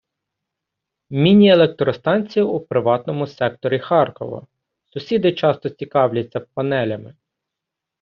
Міні - електростанція у приватному секторі Харкова Сусіди часто цікавляться панелями.